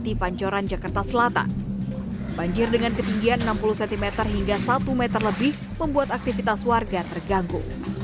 di pancoran jakarta selatan banjir dengan ketinggian enam puluh cm hingga satu meter lebih membuat aktivitas warga terganggu